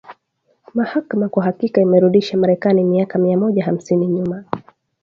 Mahakama kwa hakika imeirudisha Marekani miaka mia moja hamsini nyuma